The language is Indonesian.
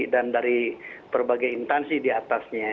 dan dari berbagai intansi diatasnya